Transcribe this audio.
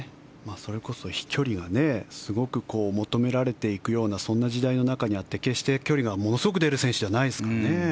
それこそ飛距離がすごく求められていくようなそんな時代の中にあって決して距離がものすごく出る選手ではないですからね。